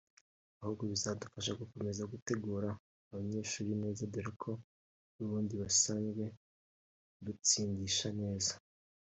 ahubwo bizadufasha gukomeza gutegura abanyeshuri neza dore ko n’ubundi dusanzwe dustindisha neza